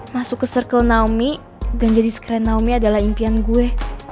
masuk ke circle naomi dan jadi screen naomi adalah impian gue